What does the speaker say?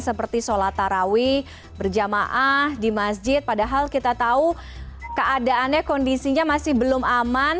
seperti sholat tarawih berjamaah di masjid padahal kita tahu keadaannya kondisinya masih belum aman